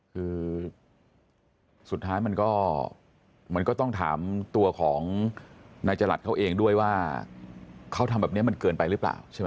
คือสุดท้ายมันก็มันก็ต้องถามตัวของนายจรัสเขาเองด้วยว่าเขาทำแบบนี้มันเกินไปหรือเปล่าใช่ไหม